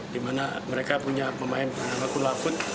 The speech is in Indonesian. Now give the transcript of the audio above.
dimana mereka punya pemain bernama kulafun